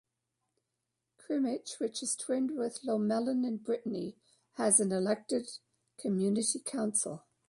Crymych, which is twinned with Plomelin in Brittany, has an elected community council.